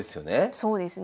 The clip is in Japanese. そうですね。